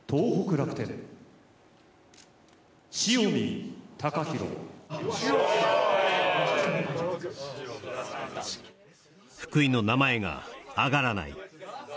楽天塩見福井の名前が挙がらない